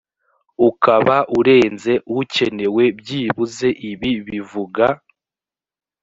ukaba urenze ukenewe byibuze ibi bivuga